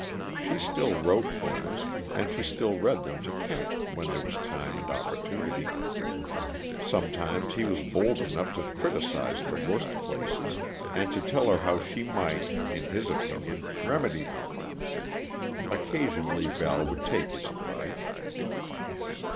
She still wrote things, and she still read them to Kent when there was time and opportunity; sometimes he was bold enough to criticize the worst places, and to tell her how she might, in his opinion, remedy them. Occasionally Val would take his advice.